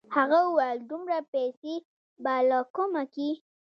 هغه وويل دومره پيسې به له کومه کې.